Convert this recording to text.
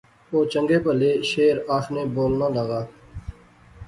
او چنگے بھلے شعر آخنے بولنا لاغا